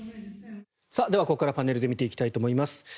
ではここからパネルで見ていきたいと思います。